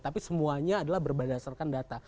tapi semuanya adalah berdasarkan data